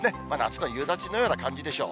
夏の夕立のような感じでしょう。